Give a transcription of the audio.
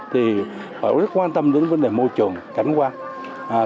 thì họ rất quan tâm đến vấn đề môi trường cảnh quan